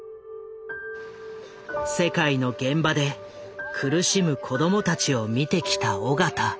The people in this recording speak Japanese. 世界の現場で苦しむ子供たちを見てきた緒方。